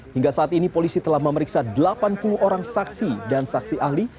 hingga saat ini polisi telah memeriksa delapan puluh orang saksi dan saksi ahli